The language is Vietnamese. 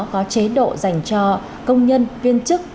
có chế độ dành cho công nhân viên chức